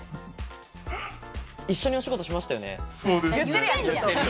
一緒にお仕事しましたよね。